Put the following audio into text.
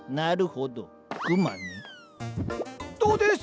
どうです？